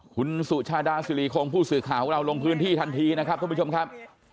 คุณสุชาดาสิริคงผู้สื่อข่าวของเราลงพื้นที่ทันทีนะครับท่านผู้ชมครับ